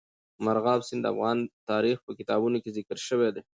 مورغاب سیند د افغان تاریخ په کتابونو کې ذکر شوی دي.